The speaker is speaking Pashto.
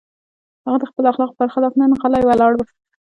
هغه د خپلو اخلاقو پر خلاف نن غلی ولاړ و.